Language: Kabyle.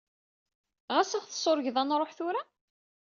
Ɣas ad ɣ-tsurgeḍ ad nṛuḥ tura?